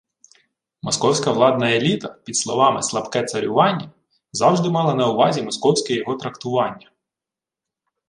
Московська владна еліта під словами «слабке царювання» завжди мала на увазі московське його трактування